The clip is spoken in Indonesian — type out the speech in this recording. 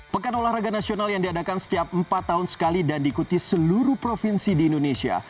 pekan olahraga nasional yang diadakan setiap empat tahun sekali dan diikuti seluruh provinsi di indonesia